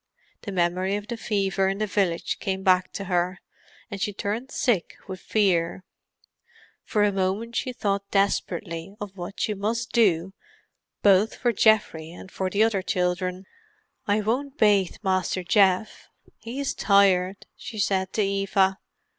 The memory of the fever in the village came to her, and she turned sick with fear. For a moment she thought desperately of what she must do both for Geoffrey and for the other children. "I won't bath Master Geoff; he is tired," she said to Eva.